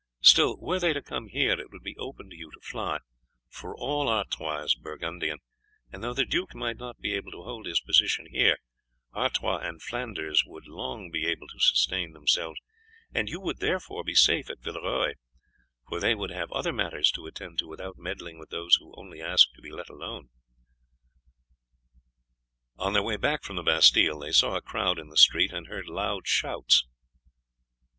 Still, were they to come here it would be open to you to fly, for all Artois is Burgundian; and though the duke might not be able to hold his position here, Artois and Flanders would long be able to sustain themselves, and you would therefore be safe at Villeroy, for they would have other matters to attend to without meddling with those who only ask to be let alone." On their way back from the Bastille they saw a crowd in the street and heard loud shouts.